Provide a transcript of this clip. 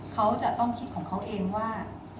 เขาจะต้องคิดของเขาเองว่า